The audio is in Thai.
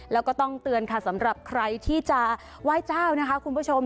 แล้วก็ต้องเตือนค่ะสำหรับใครที่จะไหว้เจ้านะคะคุณผู้ชม